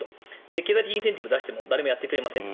経済的インセンティブを出しても誰もやってくれませんと。